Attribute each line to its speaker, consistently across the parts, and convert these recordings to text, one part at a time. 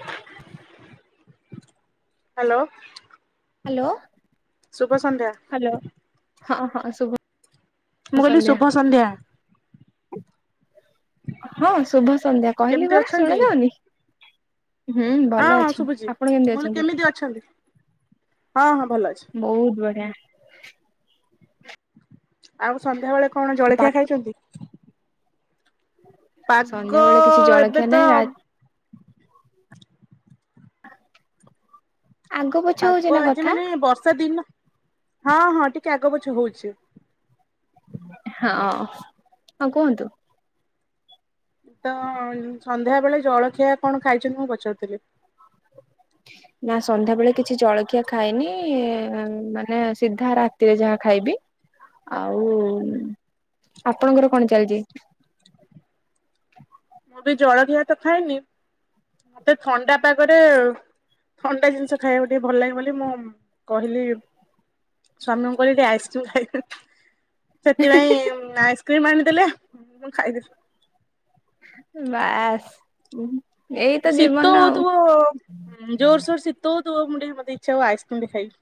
Speaker 1: [inaudible]
Speaker 2: [inaudible]
Speaker 1: ଶୁଭ ସନ୍ଧ୍ୟା।
Speaker 2: ହ୍ୟାଲୋ ହଁ ହଁ ଶୁଭୁଛି।
Speaker 1: ମୁଁ କହିଲି ଶୁଭ ସନ୍ଧ୍ୟା।
Speaker 2: ହଁ ଶୁଭ ସନ୍ଧ୍ୟା କହିଲି
Speaker 1: କେମିତି
Speaker 2: ପରା
Speaker 1: ଅଛନ୍ତି?
Speaker 2: ଶୁଣା ଯାଉନି? ହୁଁ
Speaker 1: ହଁ
Speaker 2: ଭଲ
Speaker 1: ହଁ
Speaker 2: ଅଛି
Speaker 1: ଶୁଭୁଛି
Speaker 2: ଆପଣ କେମିତି
Speaker 1: ମୁଁ କହିଲି
Speaker 2: ଅଛନ୍ତି?
Speaker 1: ଅଛନ୍ତି? ହଁ ହଁ ଭଲ ଅଛି।
Speaker 2: ବହୁତ ବଢିଆ।
Speaker 1: ଆଉ ସନ୍ଧ୍ୟା ବେଳେ କଣ
Speaker 2: ପା
Speaker 1: ଜଳଖିଆ ଖାଇଛନ୍ତି। ପାଗ
Speaker 2: ସନ୍ଧ୍ୟା ବେଳେ କିଛି
Speaker 1: ଏବେ
Speaker 2: ଜଳଖିଆ
Speaker 1: ତ
Speaker 2: ନାହିଁ ରା ଆଗ ପଛ ହଉଛି
Speaker 1: ପାଗ
Speaker 2: ନା
Speaker 1: ଆଜି
Speaker 2: କଥା
Speaker 1: ମାନେ ବର୍ଷା ଦିନ ହଁ ହଁ ଟିକେ ଆଗ ପଛ ହଉଛି।
Speaker 2: ହଁ ହଁ କୁହନ୍ତୁ।
Speaker 1: ତ ସନ୍ଧ୍ୟା ବେଳେ ଜଳଖିଆ କଣ ଖାଇଛନ୍ତି ମୁଁ ପଚାରୁଥିଲି।
Speaker 2: ନା ସନ୍ଧ୍ୟା ବେଳେ କିଛି ଜଳଖିଆ ଖାଇନି ମାନେ ସିଧା ରାତିରେ ଯାହା ଖାଇବି। ଆଉ ଆପଣଙ୍କର କଣ ଚାଲିଛି?
Speaker 1: ମୁଁ ବି ଜଳଖିଆ ତ ଖାଇନି ମତେ ଥଣ୍ଡା ପାଗରେ। ଥଣ୍ଡା ଜିନିଷ ଖାଇବାକୁ ଟିକେ ଭଲ ଲାଗେ ବୋଲି ମୁଁ କହିଲି। ସ୍ୱାମୀ ଙ୍କୁ କହିଲି ଟିକେ ଆଇସକ୍ରିମ ଖାଇବି। ସେଥିପାଇଁ ଆଇସ୍କ୍ରିମ ଆଣିଦେଲେ ମୁଁ ଖାଇଦେଲି।
Speaker 2: ବାସ୍। ଏଇ ତ ଜୀବନ
Speaker 1: ଶୀତ
Speaker 2: ଆଉ
Speaker 1: ହଉଥିବ ଜୋରସୋର ଶୀତ ହଉଥିବ ମୁ ଟିକେ ମତେ ଇଚ୍ଛା ହବ ଆଇସ୍କ୍ରିମ ଟିକେ ଖାଇବି।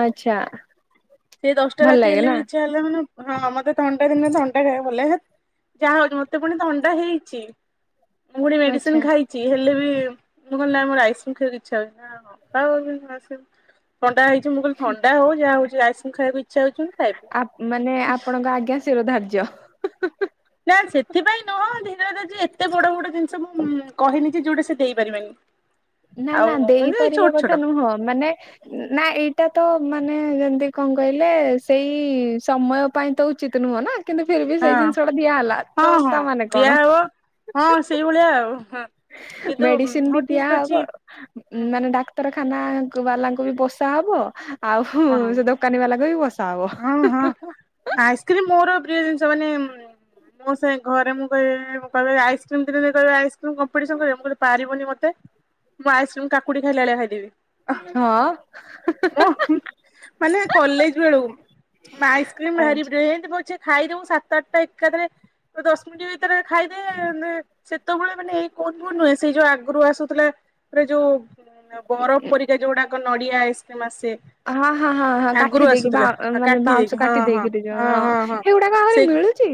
Speaker 2: ଆଚ୍ଛା।
Speaker 1: ସେ ଦଶଟା
Speaker 2: ଭଲ
Speaker 1: ରାତି
Speaker 2: ଲାଗେ
Speaker 1: ହେଲେ
Speaker 2: ନା
Speaker 1: ବି ଇଚ୍ଛା ହେଲାମାନେ ହଁ ମତେ ଥଣ୍ଡା ଦିନରେ ଥଣ୍ଡା ଖାଇବାକୁ ଭଲ ଲାଗେ ହେତ୍। ଯାହା ହଉ ମତେ ପୁଣି ଥଣ୍ଡା ହେଇଛି ମୁଁ ଫୁଣି
Speaker 2: ଆଚ୍ଛା
Speaker 1: ମେଡିସିନ ଖାଇଛି। ଚି ହେଲେ ବି ମୁଁ କହିଲ ନାଁ ମୋର ଆଇସକ୍ରିମ ଖାଇବାକୁ ଇଛା ହଉଛି। [unintelligible] ଥଣ୍ଡା ହେଇଛି ମୁଁ କହିଲି ଥଣ୍ଡା ହଉ ଯାହା ହଉଛି ଆଇସ।
Speaker 2: ମାନେ ଆପଣଙ୍କ ଆଜ୍ଞା ଶିର ଧାର୍ଯ୍ୟ।
Speaker 1: ନା ସେଥିପାଇଁ ନୁହଁ ଧୀରେ [unintelligible] ଯେ ଏତେ ବଡ ବଡ ଜିନିଷ ମୁଁ କହେନି ଯେ ଯୋଉଟା ସେ ଦେଇପାରିବେନି।
Speaker 2: ନା
Speaker 1: ଆଉ
Speaker 2: ନା
Speaker 1: କିନ୍ତୁ ଏଇ
Speaker 2: ଦେଇପାରିବା
Speaker 1: ଛୋଟ ଛୋଟ
Speaker 2: କଥା ନୁହଁ ମାନେ। ନା ଏଇଟା ତ ମାନେ ଯେମିତି କଣ କହିଲେ ସେଇ ସମୟ ପାଇଁ ତ ଉଚିତ ନୁହଁ ନା। କିନ୍ତୁ ଫିର ଭି
Speaker 1: ହଁ
Speaker 2: ସେଇ ଜିନିଷଟା ଦିଆ ହେଲା
Speaker 1: ହଁ
Speaker 2: ତ
Speaker 1: ହଁ
Speaker 2: ତା ମାନେ କଣ?
Speaker 1: ଦିଆହବ। ହଁ ସେଇଭଳିଆ ଆଉ ହ
Speaker 2: ମେଡିସିନ ବି ଦିଆହବ।
Speaker 1: ହୁଁ
Speaker 2: ମାନେ ଡାକ୍ତରଖାନା ବାଲାଙ୍କୁ ବି ପୋଷା ହବ ଆଉ
Speaker 1: କଣ
Speaker 2: ସେ ଦୋ କାନି ବାଲାଙ୍କୁ ବି ପୋଷା ହବ।
Speaker 1: ଆଇସ୍କ୍ରିମ୍ ମୋର ପ୍ରିୟ ଜିନିଷ ମାନେ ମୋ ସେଇ ଘରେ ମୁଁ କହିଲି ମୁଁ କହିଲି ଆଇସକ୍ରିମ ଦେଲେ ଆଇସକ୍ରିମ କମ୍ପିଟିସନ୍ କରିବ, ମୁଁ କହିଲି ପାରିବୁନି ମତେ। ମୁଁ ଆଇସକ୍ରିମ କାକୁଡି ଖାଇଲା ଭଳିଆ
Speaker 2: ହଁ।
Speaker 1: ଖାଇଦେବି। ହଁ ମୁଁ ମାନେ କଲେଜ ବେଳୁ ଆଇସ୍କ୍ରିମ ଭାରି ପ୍ରିୟ ଏମତି ପଛେ ଖାଇଦବୁ ସାତ ଆଠଟା ଏକାଥରେ। ଦଶ ମିନିଟ ଭିତରେ ଖାଇଦେ ସେ ସେତେବେଳେ ମାନେ ଏଇ କୋନ ଫୋନ୍ ନୁହେଁ ସେଇ ଯୋଉ ଆଗରୁ ଆସୁଥିଲାରେ ଯୋଉ ବରଫ ପରିକା ଯୋଉଗୁଡାକ ନଡିଆ ଆଇସ୍କ୍ରିମ ଆସେ।
Speaker 2: ହଁ ହଁ ହଁ ହଁ
Speaker 1: ଆଗରୁ
Speaker 2: କାଠି ଦେଇକି ବା
Speaker 1: ଆସୁଥିଲା ଆଉ
Speaker 2: ମାନେ
Speaker 1: କାଠି ଦେଇକି
Speaker 2: ବାଉଁଶ
Speaker 1: ହଁ
Speaker 2: କାଠି
Speaker 1: ହଁ
Speaker 2: ଦେଇକିରି ଯୋଉ ହଁ ହେଗୁଡାକ
Speaker 1: ସେ
Speaker 2: ଆହୁରି ମିଳୁ ଚି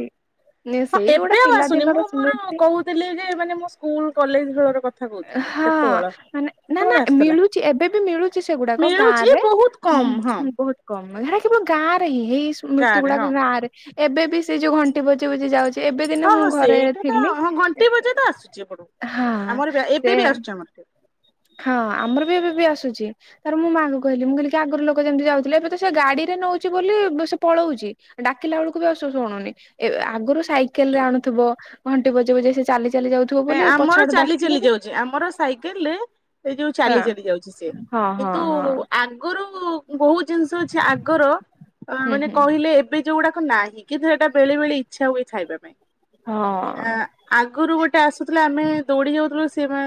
Speaker 1: ହଁ
Speaker 2: ସେଇ
Speaker 1: ଏବେ
Speaker 2: ଗୋଟେ
Speaker 1: ଆଉ ଆସୁନି ମୁଁ
Speaker 2: ପିଲାଦିନର
Speaker 1: ମୋର
Speaker 2: ସ୍ମୃତି।
Speaker 1: ଯେ ମାନେ ମୁଁ ସ୍କୁଲ କଲେଜ ବେଳର କଥା କହୁ
Speaker 2: ହଁ
Speaker 1: ସେତେବେଳ
Speaker 2: ମାନେ ନା ନା
Speaker 1: ସେତେବେଳେ ଆଶୁଥିଲା,
Speaker 2: ମିଳୁଛି ଏବେ ବି ମିଳୁଛି ସେଗୁଡାକ ଗାଁ
Speaker 1: ମିଳୁଛି
Speaker 2: ରେ
Speaker 1: ବହୁତ
Speaker 2: ହୁଁ
Speaker 1: କମ୍
Speaker 2: ହୁଁ
Speaker 1: ହଁ।
Speaker 2: ହୁଁ ବହୁତ କମ ହେ କେବଳ ଗାଁ ରେ ହିଁ ହେଇ ସ୍ମୃତି
Speaker 1: ଗାଁରେ ହଁ
Speaker 2: ଗୁଡାକ ଗାଁରେ ଏବେ ବି ସେ ଯୋଉ ଘଣ୍ଟି ବଜି ବଜି ଯାଉଛି। ଏବେ ଦିନ
Speaker 1: ହଁ
Speaker 2: ମୁଁ
Speaker 1: ହଁ
Speaker 2: ଘରେ
Speaker 1: ସେଇଟା ତ
Speaker 2: ଥିଲି,
Speaker 1: ହଁ ଘଣ୍ଟି ବଜା ତ ଆସୁଛି ଏପଟକୁ।
Speaker 2: ହଁ।
Speaker 1: ଆମର ଏବେ
Speaker 2: ସେ
Speaker 1: ବି ଆସୁଛି ଆମର।
Speaker 2: ହଁ ଆମର ବି ଏବେ ବି ଆସୁଛି। ତାପରେ ମୁଁ ମାଆକୁ କହିଲି, ମୁଁ କହିଲି ଆଗରୁ ଲୋକ ଯେମିତି ଯାଉଥିଲେ ଏବେ ତ ସେ ଗାଡି ରେ ନଉଛି ବୋଲି ସେ ପଳଉଛି। ଡାକିଲା ବେଳକୁ ବି ଆଉ ସେ ଶୁଣୁନି ଏ ଆଗରୁ ସାଇକେଲ ରେ ଆଣୁଥିବ ଘଣ୍ଟି ବଜେଇ ବଜେ ସେ ଚାଲୁଥିବ ଚାଲି ଯାଉଥିବ
Speaker 1: ନାଇଁ
Speaker 2: ବୋଲି
Speaker 1: ଆମର
Speaker 2: ପଛ ଆଡୁ
Speaker 1: ଚାଲି
Speaker 2: ଡାକିଲେ ବି
Speaker 1: ଆମର ସାଇକେଲରେ ସେ ଯୋଉ
Speaker 2: ହଁ
Speaker 1: ଚାଲି ଚାଲି ଯାଉଛି ସେ,
Speaker 2: ହଁ ହଁ
Speaker 1: କିନ୍ତୁ
Speaker 2: ହଁ
Speaker 1: ଆଗରୁ ବହୁତ ଜିନିଷ ଅଛି ଆଗର
Speaker 2: ହୁଁ
Speaker 1: ମାନେ
Speaker 2: ହୁଁ
Speaker 1: କହିଲେ ଏବ ଏବେ ଯୋଉଗୁଡାକ ନାହିଁ କିନ୍ତୁ ସେଇଟା ବେଳେବେଳେ ଇଚ୍ଛା ହୁଏ ଖାଇବା ପାଇଁ
Speaker 2: ହଁ
Speaker 1: ଆଁ ଆଗରୁ ଗୋଟେ ଆସୁଥିଲା, ଆମେ ଦୌଡି ଯାଉଥିଲୁ ସେମା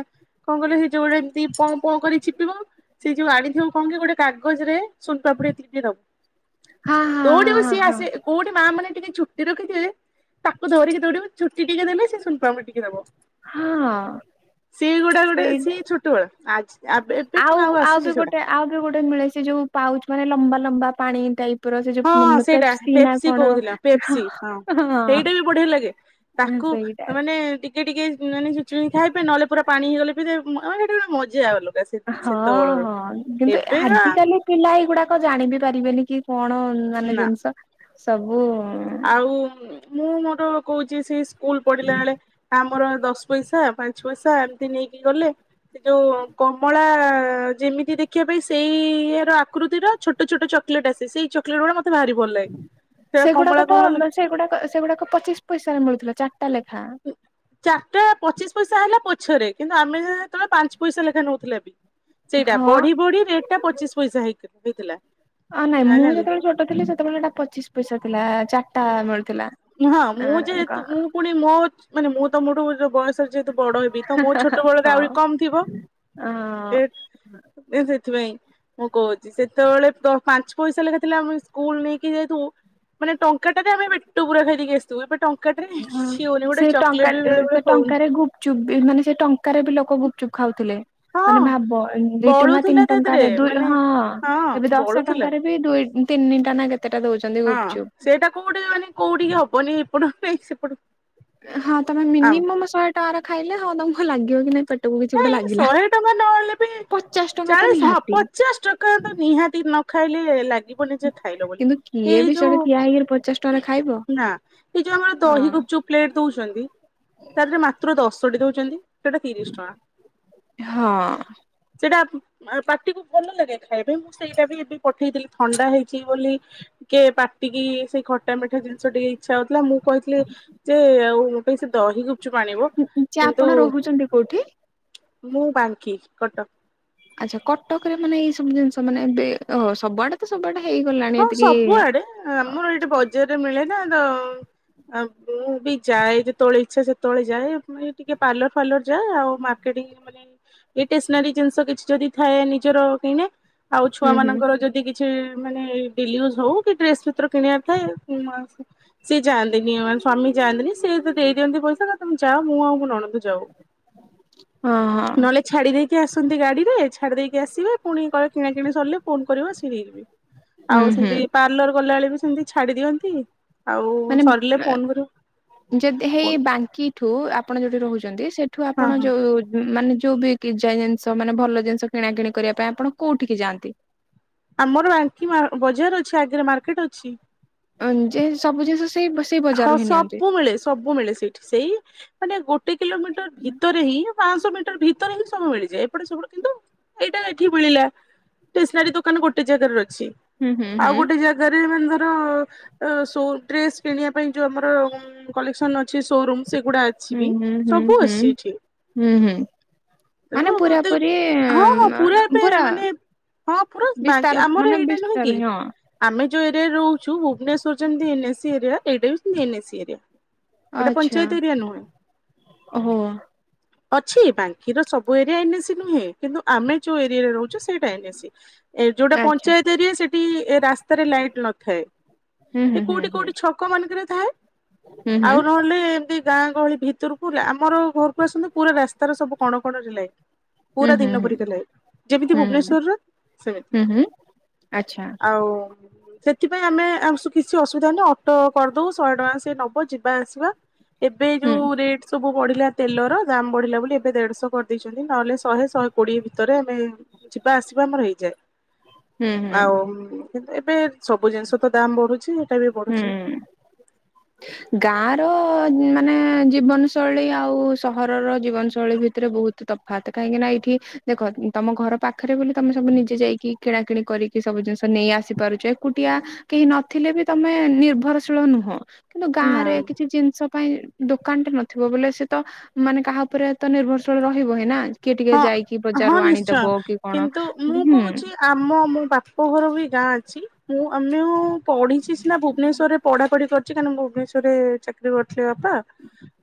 Speaker 1: କଣ କଲେ ସେ ଯୋଉଟା ଏମିତି ପଁ ପଁ କରି ଚିପିବ। ସେଇ ଯୋଉ ଆଣିଥିବ କଣ କି ଗୋଟେ କାଗଜରେ ସୁନପାମ୍ପୁଡି ଏତିିକି ଟିକେ ଦବ।
Speaker 2: ହଁ ହଁ।
Speaker 1: କୋଉଠି ସିଏ
Speaker 2: ହଁ
Speaker 1: ଆସେ, କୋଉଠି ମା ମାନେ ଟିକେ ଚୁଟି ରଖିଥିବେ। ତାକୁ ଧରିକି ଦୌଡିବ, ଚୁଟି ଟିକେ ଦେଲେ ସେ ସୁନପାମ୍ପୁଡି ଟିକେ ଦବ।
Speaker 2: ହଁ।
Speaker 1: ସେଇ ଗୁଡା ଗୋଟେ
Speaker 2: ସେଇ
Speaker 1: ସିଏ ଛୋଟବେଳେ ଆଜି ଏବେ କଣ ଆଉ ଆସୁଛି ସେଗୁଡା।
Speaker 2: ଆଉ ବି ଗୋଟେ ମିଳେ, ସେ ଯୋଉ ପାଉଚ ମାନେ ଲମ୍ବା ଲମ୍ବା ପାଣି ଟାଇପ। ର ସେ
Speaker 1: ହଁ
Speaker 2: ଯୋଉ
Speaker 1: ସେଇଟା
Speaker 2: ନା
Speaker 1: ପେପ୍ସି
Speaker 2: କଣ
Speaker 1: କହୁଥିଲା, ପେପ୍ସି ହଁ ସେଇଟା ବି ବଢିଆ ଲାଗେ।
Speaker 2: ହଁ
Speaker 1: ତାକୁ
Speaker 2: ସେଇଟା
Speaker 1: ମାନେ ଟି ଟିକେ ଟିକେ ମାନେ ଚୁଚୁମିକି ଖାଇବେ ନହଲେ ପୁରା ପାଣି ହେଇଗଲେ ପି ଦେବେ, ସେ ମାନେ ଗୋଟେ ମଜା ଅଲଗା।
Speaker 2: ହଁ
Speaker 1: ସେତେବେଳର
Speaker 2: ହଁ କିନ୍ତୁ
Speaker 1: ଏବେର
Speaker 2: ଆଜିିକାଲି ପିଲା ଏଗୁଡାକ ଜାଣିିବି ପାରିବେନି କି କଣ ମାନେ
Speaker 1: ନା
Speaker 2: ଜିନିଷ ସବୁ
Speaker 1: ଆଉ ମୁଁ ମୋର କହୁଛି ସେଶ୍ ସ୍କୁଲ ପଢିଲା ବେଳେ ଆମର ଦଶ ପଇସା, ପାଞ୍ଚ ପଇସା ଏମିତି ନେଇକି ଗଲେ। ସେ ଯୋଉ କମଳା ଯେମିତି ଦେଖ ଦେଖିବା ପାଇଁ ସେଇ ଇଏର ଆକୃତିର ଛୋଟ ଛୋଟ ଚକଲେଟ୍ ଆସେ, ସେଇ ଚକଲେଟ୍ ଗୁରା ମତେ ଭାରି ଭ
Speaker 2: ସେଗୁଡାକ ତ ସେଗୁଡାକ ସେଗୁଡାକ ପଚିଶ ପଇସାରେ ମିଳୁଥିଲା ଚାରିଟା ଲେଖା।
Speaker 1: ଚାରିଟା ପଚିଶ ପଇସା ହେଲା ପଛରେ, କିନ୍ତୁ ଆମେ ଯେତେବେଳେ ପାଞ୍ଚ ପଇସା ଲେଖା ନଉଥିଲେ। ସେଇଟା
Speaker 2: ହଁ
Speaker 1: ବଢି ବଢି ରେଟଟା ପଚିଶ ପଇସା ହେଇ -ହେଇଥିଲା।
Speaker 2: ଅ ନାଇଁ ମୁଁ
Speaker 1: ଜାଣିଲୁ
Speaker 2: ଯେତେବେଳେ ଛୋଟ ଥିଲି, ସେତେବେଳେ ଏଟା ପଚିଶ ପଇସା ଥିଲା ଚାରଟା ମିଳୁଥିଲା।
Speaker 1: ହଁ ମୁଁ
Speaker 2: ଆଁ କ
Speaker 1: ଯେହେତୁ ମୁଁ ପୁଣି ମୋ ମାନେ ମୁଁ ତମଠୁ ଯୋଉ ବୟସରେ ଯେହେତୁ ବଡ ହେବି ତ ମୋ ଛୋଟ ବେଳରେ
Speaker 2: ହଁ।
Speaker 1: ଆହୁରି କମ ଥିବ।
Speaker 2: ଅ
Speaker 1: ଏ ଏ ସେଥିପାଇଁ। ମୁଁ କହୁଚି ସେତେବେଳେ ପାଞ୍ଚ ପଇସା ଲେଖା ଥିଲା। ଆମେ ସ୍କୁଲ ନେଇକି ଯାଇଥିବୁ ମାନେ ଟଙ୍କାଟା ବି ଆମେ ବା ପେଟ ପୁରା ଖାଇଦେଇକି ଆସିଥିବୁ। ଏବେ ଟଙ୍କାଟାରେ
Speaker 2: ହଁ।
Speaker 1: କିଛି ହଉନି। ଗୋଟେ ଚକଲେଟ ବି ବେଳେବେଳେ ହଉନି।
Speaker 2: ଗୁଚୁପ ମାନେ ସେ ଟଙ୍କାରେ ବି ଲୋକ ଗୁପଚୁପ୍ ଖାଉଥିଲେ। ମାନେ
Speaker 1: ହଁ
Speaker 2: ଭାବ ଦି ଟଙ୍କା ତିନି
Speaker 1: ବଳୁଥିଲା ତା ଦେହରେ
Speaker 2: ଟଙ୍କାରେ ଦୁ
Speaker 1: ମାନେ
Speaker 2: ହଁ
Speaker 1: ହଁ
Speaker 2: ଏବେ ଦଶ
Speaker 1: ବଳୁଥିଲା
Speaker 2: ଟଙ୍କାରେ ବି ଦୁଇ ତିନି ଟା ନା କେତେଟା ଦଉ
Speaker 1: ହଁ ସେଇଟା କୋଉଠି ମାନେ କୋଉଠି କି ହବନି ଏପଟ ହବନି ସେପଟ
Speaker 2: ହଁ ତମେ
Speaker 1: ଆମ
Speaker 2: ମିନିମମ୍ ଶହେ ଟଙ୍କା ର ଖାଇଲେ, ହଁ ତମକୁ ଲାଗିବ କି ନାଇଁ ପେ
Speaker 1: ନାଇଁ ଶହେ ଟଙ୍କା ନହେଲେ ବି
Speaker 2: ପଚାଶ ଟଙ୍କା ତ
Speaker 1: ଚାଳିଶ୍ ହଁ
Speaker 2: ନିହାତି
Speaker 1: ପଚାଶ୍ ଟଙ୍କା ତ ନିହାତି ନ ନଖାଇଲେ ଲା ଯିବ ନିଜେ ଖାଇଲ
Speaker 2: କିନ୍ତୁ
Speaker 1: ବୋଲି।
Speaker 2: କିଏ
Speaker 1: ଏ
Speaker 2: ବି
Speaker 1: ଯୋଉ
Speaker 2: ସେଠି ଠିଆ ହେଇକିରି ପଚାଶ ଟଙ୍କାରେ ଖାଇବ?
Speaker 1: ନା ଏଇ ଯୋଉ ଆମ ଦହି
Speaker 2: ହଁ।
Speaker 1: ଗୁପ୍ ଚୁପ୍ ପ୍ଲେଟ୍ ଦଉଛନ୍ତି। ତା ଦେହରେ ମାତ୍ର ଦଶଟି ଦୋଉଛନ୍ତି, ସେଟା ତିରିଶ୍ ଟଙ୍କା।
Speaker 2: ହଁ।
Speaker 1: ସେଇଟା ପାଟିକୁ ଭଲ ଲାଗେ ଖାଇବା ପାଇଁ। ମୁଁ ସେଇଟା ବି ଏବେ ପଠେଇଥିଲି ଥଣ୍ଡା ହେଇଛି ବୋଲି ଟିକେ ପାଟିକି ସେ ଖ ମିଠା ମିଠା ଜିନିଷ ଟିକେ ଇଛା ହଉଥିଲା। ମୁଁ କହିଥିଲି ଯେ ଆଉ ମୋ ପାଇଁ ସେ ଦହି ଗୁ ଠୁ ଆଣିବ କିନ୍ତୁ
Speaker 2: ଅଛନ୍ତି କୋଉଠି?
Speaker 1: ମୁଁ ବାଙ୍କୀ, କଟକ।
Speaker 2: ଆଚ୍ଛା। କଟକରେ ମାନେ ଏଇ ସବୁ ଜିନିଷ ମାନେ ଏବେ ସବୁଆଡେ ସବୁଆଡେ ହେଇଗଲାଣି।
Speaker 1: ହଁ
Speaker 2: ଏତିକି
Speaker 1: ସବୁଆଡେ ଆମର ଏଇଠି ବଜାରରେ ମିଳେ ନା। ତ ଆଉ ମୁଁ ବି ଯାଏ ଯେତେବେଳେ ଇଚ୍ଛା ସେତେବେଳେ ଯାଏ ଏଇ ଟିକେ ପାର୍ଲର ଫାର୍ଲର ଯାଏ ଆଉ ମା ମାର୍କେଟ ମାନେ ଏଇ ଟେସନାରୀ ଜିନିଷ କିଛି ଯଦି ଥାଏ ନିଜର କିଣେ। ଆଉ ଛୁଆ
Speaker 2: ହୁଁ ହୁଁ
Speaker 1: ମାନଙ୍କର ଯଦି କିଛି ମାନେ ଡେଲି ୟୁଜ ହଉ କି ଡ୍ରେସ୍ ପତ୍ର ଜିଣିବାର ଥାଏ ସିଏ ଯାଆନ୍ତିନି ମାନେ ସ୍ବାମୀ ଯାଆନ୍ତିନି। ସେ ମତେ ଦେଇ ଦିଅନ୍ତି ପଇସା କହିବେ ତମେ ଯାଅ। ମୁଁ ଆଉ ମୋ ନଣନ୍ଦ ଯାଉ।
Speaker 2: ହଁ।
Speaker 1: ଛାଡ଼ି ଦେଇକି ଆସନ୍ତି ଗାଡି ରେ ଛାଡ଼ି ଦେଇକି ଆସିବେ। ପୁଣି କହିବେ କିଣାକିଣି ସରିଲେ ଫୋନ୍ କରିବ ଆସିକି ନେଇଯିବି।
Speaker 2: ହୁଁ
Speaker 1: ଆଉ
Speaker 2: ହୁଁ
Speaker 1: ସେମିତି ପାର୍ଲର ଗଲାବେଳେ ବି ସେମିତି ଛାଡି ଦିଅନ୍ତି। ଆଉ
Speaker 2: ମାନେ,
Speaker 1: ସରିଲେ ଫୋନ କରିବ
Speaker 2: ଏ ଯଦି
Speaker 1: ଫୋନ
Speaker 2: ହେଇ ବାଙ୍କି ଠୁ ଆପଣ ଯୋଉଠି ରହୁଛନ୍ତି ସେଠୁ
Speaker 1: ହଁ
Speaker 2: ଆପଣ
Speaker 1: ହଁ
Speaker 2: ଯୋଉ ମାନେ ଯୋଉ ବି ପୂଜା ଜିନିଷ ମାନେ ଭଲ ଜିନିଷ କିଣା କିିଣି କରିବା ପାଇଁ ଆପଣ କୋଉଠିକି ଯାଆନ୍ତି?
Speaker 1: ଆମର ବାଙ୍କି ମା ବଜାର୍ ଅଛି। ଆଗରେ ମାର୍କେଟ ଅଛି।
Speaker 2: ଯେ ସବୁ ଜିନିଷ ସେଇ ବସ
Speaker 1: ହଁ ସବୁ ମିଳେ ସବୁ ମିଳେ ସେଇଠି। ସେଇ ମାନେ ଗୋଟେ କିଲୋମିଟର୍ ଭିତରେ ହିଁ ପାଁଶହ ମିଟର୍ ଭିତରେ ବି ସବୁ ମିଳିଯାଏ। ଏପଟ ସେପଟ କିନ୍ତୁ ଏଇଟା ଏଠି ମିଳିଲା। ଟେସନାରି ଦୋକାନ୍ ଗୋଟେ ଜାଗାରେ ଅଛି।
Speaker 2: ହୁଁ ହୁଁ
Speaker 1: ଆଉ
Speaker 2: ହୁଁ
Speaker 1: ଗୋଟେ ଜାଗାରେ ମାନେ ଧର ସୋ ଡ୍ରେସ କିଣିବା ପାଇଁ ଯୋଉ ଆମର କଲେକ୍ସନ୍ ଅଛି ଶୋରୁମ୍ ସେଗୁଡା ଅଛି। ଅଛି
Speaker 2: ହୁଁ
Speaker 1: ବି।
Speaker 2: ହୁଁ ହୁଁ
Speaker 1: ସବୁ ଅଛି
Speaker 2: ହୁଁ
Speaker 1: ଏଠି।
Speaker 2: ହୁଁ ହୁଁ ମାନେ
Speaker 1: ରୁହ ମତେ,
Speaker 2: ପୁରାପୁରି
Speaker 1: ପୁରା ଏବେ ମାନେ ହଁ ପୁରୁଶ୍
Speaker 2: ବିସ୍ତାର
Speaker 1: ବାଙ୍କି ଆମର
Speaker 2: ମାନେ
Speaker 1: ଏଇଟା ନୁହଁ
Speaker 2: ବିସ୍ତାର
Speaker 1: କି।
Speaker 2: ହଁ
Speaker 1: ଆମେ ଯେଉଁ ଏରିଆରେ ରହୁଚୁ ଭୁବନେଶ୍ୱର୍ ଯେମିତି ଏନ୍ ଏସି ଏରିଆ ଏଇଟା ବି ସେମତି ଏନ୍ ଏସି ଏରିଆ। ଏଟା ପଞ୍ଚାୟତ ଏରିଆ ନୁହଁ। ଅଛି ବାଙ୍କିର ସବୁ ଏରିଆ ଏନ୍ ଏସି ନୁହେଁ। କିନ୍ତୁ ଆମେ ଯୋଉ ଏରିଆ ରେ ରହୁଚୁ ସେଇଟା ଏନ୍। [unintelligible] ଏ ଯୋଉଟା ପଞ୍ଚାୟତ ଏରିଆ ସେଠି ରାସ୍ତା ରେ ଲାଇଟ୍ ନଥାଏ। ଏ କୋଉଠି କୋଉଠି ଛ କୋଉମାନଙ୍କର ଥାଏ? ଆଉ ନ ହେଲେ ଏମିତି ଗାଁଆ ଗହଳି ‌ଭିତୁରୁ। ପୁରା ଆମର ଘରକୁ ଆସନ୍ତୁ ପୁରା ରାସ୍ତାର ସବୁ କଣ କଣ ରିଲେ। ପୁରା ଦିନ ପରିକା ଲାଗେ ଯେମିତି ଭୁବନେଶ୍ୱର୍ ର ସେମିତି। ଆଉ ସେଥିପାଇଁ ଆମେ ଆଉ କିଛି ଅସୁବିଧା ନାହିଁ ଅଟୋ କରିଦଉ ଶହେ ଟଙ୍କା ସେ ନବ ଯିବା ଆସିବା ଏବେ ଯୋଉ ରେଟ୍ ସବୁ ବଢ଼ିଲା ତେଲର ଦାମ୍ ବଢ଼ିଲା ବୋଲି ଏବେ ଦେଢ଼ଶହ କରିଦେଇଛନ୍ତି ନହେଲେ ଶହେ ଶହେ କୋଡ଼ିଏ ଭିତରେ ଆମେ ଯିବା ଆସିବା ଆମର ହେଇଯାଏ ଆଉ ଏବେ ସବୁ ଜିନିଷ ତ ଦାମ୍ ବଢୁଛି ଆଉ।
Speaker 2: ହୁଁ
Speaker 1: [inaudible]
Speaker 2: ଗାଁ ର ମାନେ ଜୀବନ ଶୈଳୀ ଆଉ ସହରର ଜୀବନଶୈଳୀ ଭିତରେ ବହୁତ ତଫାତ କାହିଁକି ନା ଏଠି ଦେଖ ତମ ଘର ପାଖରେ ବୋଲି ତମେ ସବୁ ନିଜେ ଯାଇକି କିଣା କିିଣି କରିକି ସବୁ ଜିନିଷ ନେଇ ଆସି ପାରୁଛ ଏକୁଟିଆ କେହି ନଥିଲେ ବି ତମେ ନିର୍ଭରଶୀଳ ନୁହଁ, କିନ୍ତୁ
Speaker 1: ନା
Speaker 2: ଗାଁଆରେ କିଛି ଜିନିଷ ପାଇଁ ଦୋକାନଟେ ନ ଥିବ ବୋଲେ ସେ ତ ମାନେ କାହା ଉପରେ ତ ନିର୍ଭରଶୀଳ ରହିବ ହି ନା? କିଏ ଟିକେ
Speaker 1: ହଁ।
Speaker 2: ଯାଇକି
Speaker 1: ହଁ
Speaker 2: ବଜାରରୁ
Speaker 1: ନିଶ୍ଚୟ
Speaker 2: ଆଣିଦେବ କି କଣ
Speaker 1: କିନ୍ତୁ ମୁଁ
Speaker 2: ହୁଁ।
Speaker 1: କହୁଛି ଆମ ମୋ ବାପ ଘର ବି ଗାଁ ଅଛି ମୁଁ ଆମେ ଓ ପଢ଼ିଚି ସିନା ଭୁବନେଶ୍ୱରରେ ପଢା ପଢି କରିଛି କାହିଁନା ଭୁବନେଶ୍ଵରରେ ଚାକିରି କରିଥିଲେ ବାପା।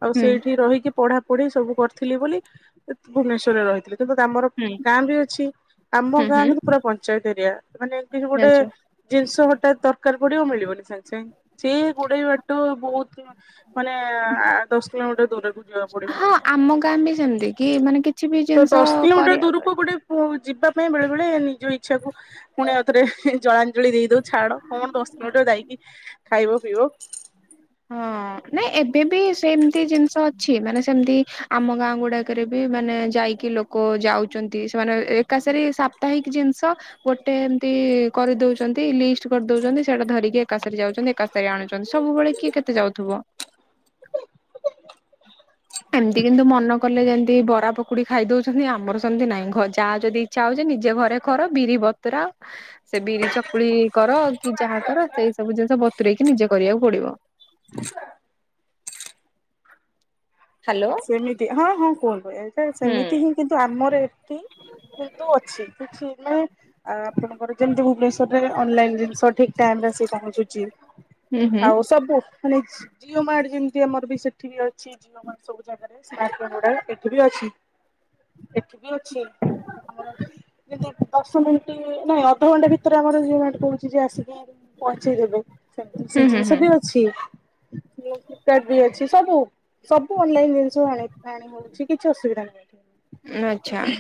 Speaker 1: ଆଉ
Speaker 2: ହୁଁ
Speaker 1: ସେଇଠି ରହିକି ପଢା ପଢି ସବୁ କରିଥିଲି ବୋଲି ଭୁବନେଶ୍ଵରରେ ରହିଥିଲି। ଦେଖନ୍ତୁ ଆମର ଗାଁ ବି ଅଛି ଆମ
Speaker 2: ହୁଁ
Speaker 1: ଗାଁ
Speaker 2: ହୁଁ
Speaker 1: କିନ୍ତୁ ପୁରା ପଞ୍ଚାୟତ ଏରିଆ ମାନେ କିଛି ଗୋଟେ
Speaker 2: ଜାଣିଛ
Speaker 1: ଜିନିଷ ହଟାତ୍ ଦରକାର ପଡ଼ିବ ମିଳିବନି ସାଙ୍ଗ ସାଙ୍ଗ ସେ ଗୁଡ଼ାଏ ବାଟ ବୋହୁତ ମାନେ ଆ ଦସ କିଲୋମିଟର୍ ଦୁରକୁ ଯିବାକୁ ପଡ଼ିବ।
Speaker 2: ହଁ ଆମ ଗାଁ ବି ସେମିତି କି ମାନେ କି
Speaker 1: ତ ଦଶ କିଲୋମିଟର ଦୂରୁକୁ ଗୋଟେ ପୁ ଯିବାପାଇଁ ବେଳେ ବେଳେ ନିଜ ଇଚ୍ଛାକୁ ପୁଣି ଆଉଥରେ ଜଳାଞଳି ଦେଇଦଉ ଛାଡ କଣ ଦଶ ମିନିଟ ଯାଇକି ଖାଇବ ପିଇବ
Speaker 2: ହଁ ନାଇଁ ଏବେ ବି ସେମତି ଜିନିଷ ଅଛି ମାନେ ସେମତି ଆମ ଗାଁ ଗୁଡା କେରେ ବି ମାନେ ଯାଇକି ଲୋକ ଯାଉଚନ୍ତି ସେମାନେ ଏକାସେରି ସାପ୍ତାହିକ ଜିନିଷ ଗୋଟେ ଏମତି କରିଦଉଛନ୍ତି ଲିଷ୍ଟ୍ କରିଦଉଛନ୍ତି ସେଇଟା ଧରିକି ଏକାସରେ ଯାଉଛନ୍ତି ଏକାସରେ ଆଣୁଛନ୍ତି ସବୁବେଳେ କରୁଥିବ।
Speaker 1: [inaudible]
Speaker 2: ଏମିତି କିନ୍ତୁ ମନ କଲେ ଯେମତି ବରା ପକୁଡି ଖାଇଦଉଛନ୍ତି ଆମର ସେମିତି ନାଇଁ ଘ ଯାହା ଯଦି ଇଚ୍ଛା ହଉଛି ନିଜେ ଘରେ କର ବିରି ବତୁରାଅ
Speaker 1: [inaudible]
Speaker 2: ସେ ବିରି ଚକୁଳି କର କି ଯାହା କର ସେଇ ସବୁ ଜିନିଷ ବତୁରେଇକି ନିଜେ କରିବାକୁ ପଡିବ।
Speaker 1: ଆଛା
Speaker 2: ହ୍ୟାଲୋ
Speaker 1: ହ ସେମିତି ହଁ ହଁ କୁହନ୍ତୁ ଏଇଟା
Speaker 2: ହୁଁ
Speaker 1: ସେମିତି ହିଁ କିନ୍ତୁ ଆମର ଏଠି କିନ୍ତୁ ଅଛି କିଛି ମାନେ ଆ ଆପଣଙ୍କର ଯେମିତି ଭୁବନେଶ୍ଵରରେ ଅନଲାଇନ ଜିନିଷ ଠିକ ଟାଇମରେ ଆସି ପହଞ୍ଚୁଛି।
Speaker 2: ହୁଁ ହୁଁ
Speaker 1: ଆଉ ସବୁ ମାନେ ଜିଓ ମାର୍ଟ ଯେମିତି ଆମର ବି ସେଠି ବି ଅଛି ଜିଓ ମ ସବୁ ଜାଗରେ ସ୍ମାର୍ଟ [unintelligible] ଗୁଡ଼ାକ ଏଠି ବି ଅଛି ଏଠି ବି ଅଛି। ଆମର ଯି ଦଶ ମିନିଟ୍ ନାଇଁ ଅଧଘଣ୍ଟା ଭିତରେ ଆମର ଯୋଉ ଆର୍ଟ କରୁଚି ଯିଏ ଆସିକି ପହଞ୍ଚେଇ ଦେବେ ସେମିତି ସେ
Speaker 2: ହୁଁ ହୁଁ
Speaker 1: ଜିନିଷ
Speaker 2: ହୁଁ
Speaker 1: ବି ଅଛି ଫ୍ଲିପକାର୍ଟ ବି ଅଛି ସବୁ ସବୁ ଅନଲାଇନ ଜିନିଷ ଆଣି ଆଣି ହଉଛି କିଛି ଅସୁବିଧା
Speaker 2: ଆଚ୍ଛା
Speaker 1: ନାହିଁ।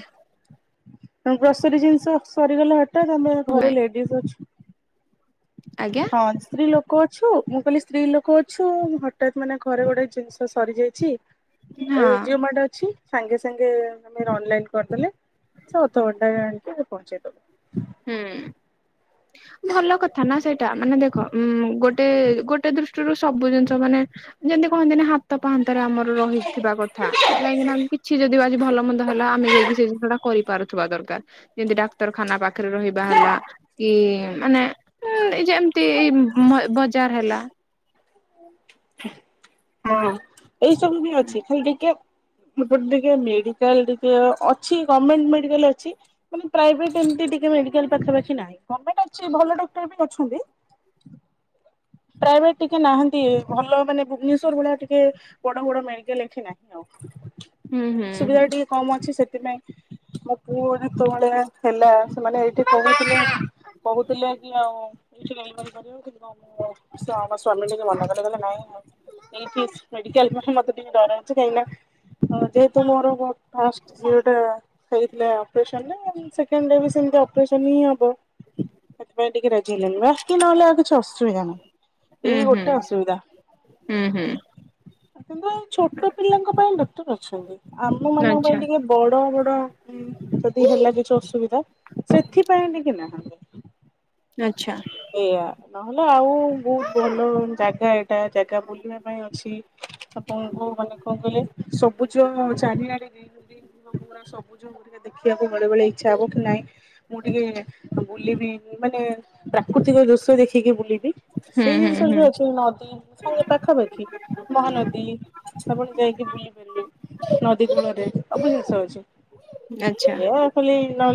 Speaker 1: ଗ୍ରୋଷରି ଜିନିଷ ସରିଗଲେ ହଠାତ୍ ଆମେ ଘରେ ଲେଡିଜ ଅଛି
Speaker 2: ଆଜ୍ଞା
Speaker 1: ହଁ ସ୍ତ୍ରୀ ଲୋକ ଅଛୁ ମୁଁ କହିଲି ସ୍ତ୍ରୀ ଲୋକ ଅଛୁ ହଠାତ୍ ମାନେ ଘରେ ଗୋଟେ ଜିନିଷ ସରିଯାଇଛି ଏ
Speaker 2: ହଁ
Speaker 1: ଜିଓ ମାର୍ଟ ଅଛି ସାଙ୍ଗେ ସାଙ୍ଗେ ଆମେ ଅନଲାଇନ କରିଦେଲେ ସ ଅଧଘଣ୍ଟା ଆଣିକି ପହଁଚାଇ
Speaker 2: ହୁଁ ଭଲ କଥା ନା ସେଇଟା ମାନେ ଦେଖ ଉଁ ଗୋଟେ ଗୋଟେ ଦୃଷ୍ ସବୁ ଜିନିଷ ମାନେ ଯେମିତି କହନ୍ତିନି ହାତ ପାହାନ୍ତରେ ଆମର ରହିଥିବା କଥା କାହିଁକିନା କିଛି ଯଦି ଆଜି ଭଲମନ୍ଦ ହେଲା ଆମେ ଯାଇକି ସେ ଜିନିଟଟା କରି ପାରୁଥିବା ଦରକାର ଯେମତି ଡାକ୍ତରଖାନା ପାଖରେ ରହିବା ହେଲା କି ମାନେ ହୁଁ ଏ ଯେମତି ଏଇ ବ-ବଜାର ହେଲା।
Speaker 1: ହଁ ଏଇ ସବୁ ବି ଅଛି ଖାଲି ଟିକେ ଏପଟେ ଟିକେ ମେଡିକାଲ ଟିକେ ଅଛି ଗର୍ମେଣ୍ଟ ମେଡିକାଲ ଅଛି। ମାନେ ପ୍ରାଇଭେଟ ଏମିତି ଟିକେ ମେଡିକାଲ ପାଖାପାଖି ନାହିଁ ଗମେଣ୍ଟ ଅଛି ଭଲ ଡକ୍ଟର ବି ଅଛନ୍ତି। ପ୍ରାଇଭେଟ ଟିକେ ନାହାନ୍ତି ଭଲ ମାନେ ଭୁବନେଶ୍ୱର ଭଳିଆ ଟିକେ ବଡ ବଡ ମେଡିକାଲ ଏଠି ନାହିଁ ଆଉ।
Speaker 2: ହୁଁ
Speaker 1: ଏଇ
Speaker 2: ହୁଁ
Speaker 1: ସୁବିଧା ଟିକେ କମ ଅଛି ସେଥିପାଇଁ ମୋ ପୁଅ ଯେତେବେଳେ ହେଲା ସେମାନେ ଏଇଠି [unintelligible] କହୁଥିଲେ କି ଆଉ [unintelligible] ଆମ ସ୍ୱା-ସ୍ଵାମୀ ଟିକେ ମନା କରିଦଲେ ନାଇଁ ଆଉ। ଏଇଠି ମେଡିକାଲ ପାଖେ ମତେ ଟିକେ ଡର ଲାଗୁଛି କାଇନା ହ ଯେ ତୁମର ଫାଷ୍ଟ ଝିଅ ଟା ହେଇଥିଲେ ଅପରେସନରେ ସେକେଣ୍ଡରେ ସେମତି ଅପରେସନ ହିଁ ହବ। ସେଥିପାଇଁ ଟିକେ ରାଜି ହେଲେନି ବାକି ନହଲେ ଆଉଛି ଅସୁବିଧା ନାହିଁ।
Speaker 2: ହୁଁ
Speaker 1: ଏଇ
Speaker 2: ହୁଁ
Speaker 1: ଗୋଟେ ଅସୁବିଧା।
Speaker 2: ହୁଁ ହୁଁ ହୁଁ
Speaker 1: କିନ୍ତୁ ଏଇ ଛୋଟ ପିଲାଙ୍କ ପାଇଁ ଡଟର ଅଛନ୍ତି ଆମ ମାନଙ୍କ
Speaker 2: ଆଚ୍ଛା
Speaker 1: ପାଇଁ ଟିକେ ବଡ ବଡ ଯଦି ହେଲା କିଛି ଅସୁବିଧା ସେଥିପାଇଁ ଟିକେ ନାହାନ୍ତି
Speaker 2: ଆଚ୍ଛା।
Speaker 1: ଏଇଆ ନହେଲେ ଆଉ ବହୁତ ଭଲ ଜାଗା ଏଇଟା ଜାଗା ବୁଲିବା ପାଇଁ ଅଛି। ଆପଣଙ୍କୁ ମାନେ କଣ କହିଲେ ସବୁଜ ଚାରିଆଣି [unintelligible] ସବୁୁଜ ଦେଖିବାକୁ ବେଳେ ବେଳେ ଇଚ୍ଛା ହବ କି ନାହିଁ। ମୁଁ ଟିକେ ବୁଲିବି ମାନେ ପ୍ରାକୃତିକ ଦୃଶ୍ୟ ଦେଖିକି ବୁଲିବି।
Speaker 2: ହୁଁ
Speaker 1: ସେଇ
Speaker 2: ହୁଁ
Speaker 1: ଜିନିଷ
Speaker 2: ହୁଁ
Speaker 1: ଅଛି ନଦୀ ସାଙ୍ଗେ ପାଖାପାଖି ମହାନଦୀ। ଆପଣ ଯାଇକି ବୁଲି ପାରିବେ ନଦୀ କୂଳରେ ସବୁ ଜିନିଷ ଅଛି।
Speaker 2: ଆଚ୍ଛା
Speaker 1: ଏ ଖାଲି ନଇ